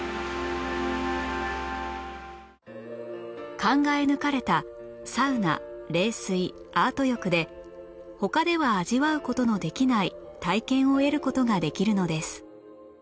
考え抜かれたサウナ冷水アート浴で他では味わう事のできない体験を得る事ができるのです